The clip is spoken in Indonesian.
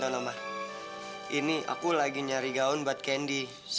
padahal kan dia bilang uangnya cuma sepuluh ribu